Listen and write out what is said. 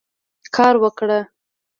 کار وکړه.